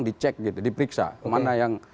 dicek gitu diperiksa mana yang